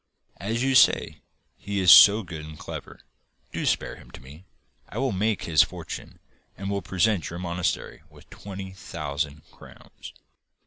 As you say, he is so good and clever. Do spare him to me. I will make his fortune, and will present your monastery with twenty thousand crowns.